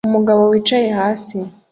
Umugabo wicaye hasi